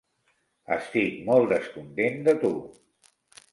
Estic molt descontent de tu.